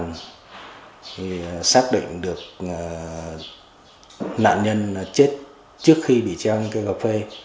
thì xác định được nạn nhân chết trước khi bị treo cây cà phê